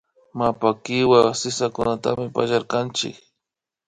Mapa kiwa sisakunatapash pallarkanchik